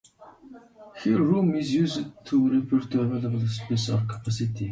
Here, "room" is used to refer to available space or capacity.